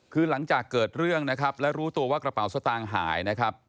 คือหลังจากเกิดเรื่องนะครับและรู้ตัวว่ากระเป๋าสตางค์หายนะครับ